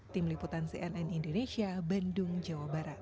tim liputan cnn indonesia bandung jawa barat